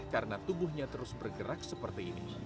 karena tubuhnya terus bergerak seperti ini